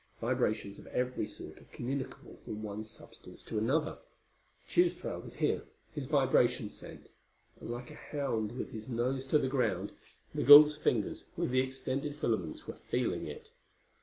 Vibrations of every sort are communicable from one substance to another. Tugh's trail was here his vibration scent and like a hound with his nose to the ground, Migul's fingers with the extended filaments were feeling it.